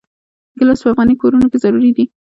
ګیلاس په افغاني کورونو کې ضروري دی.